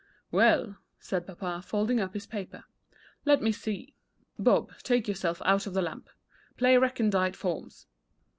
"Well," said papa, folding up his paper, "let me see. Bob, take yourself out of the lamp. Play 'Recondite Forms.'"